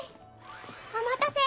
お待たせ！